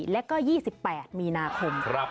๒๔และ๒๘มีนาคม